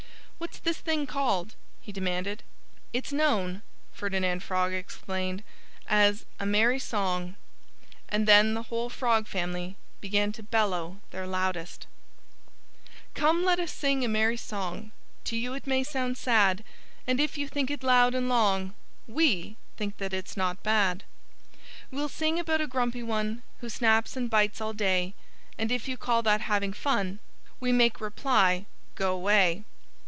"What's this thing called?" he demanded. "It's known," Ferdinand Frog explained, "as 'A Merry Song.'" And then the whole Frog family began to bellow their loudest: Come let us sing a merry song! To you it may sound sad. And if you think it loud and long We think that it's not bad. "We'll sing about a grumpy one Who snaps and bites all day. And if you call that "having fun" We make reply, "Go 'way!"